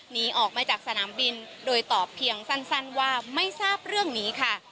หนีออกมาจากสนามบินโดยตอบเพียงสั้นว่าไม่ทราบเรื่องนี้ค่ะ